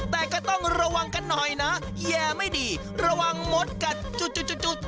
แต่ก็ต้องระวังกันหน่อยนะแย่ไม่ดีระวังมดกัดจุด